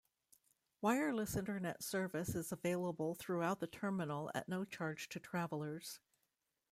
Wireless internet service is available throughout the terminal at no charge to travelers.